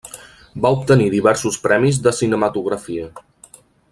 Va obtenir diversos premis de cinematografia.